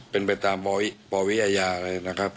เป็นไปตามปวิอาญาเลยนะครับ